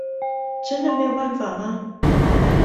真的沒有辦法嗎？